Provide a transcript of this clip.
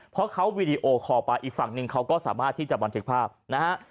เพราะเขาวีดีโอคอลไปอีกฝั่งหนึ่งเขาก็สามารถที่จะบันทึกภาพนะฮะ